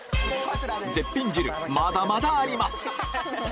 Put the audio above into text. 絶品汁まだまだあります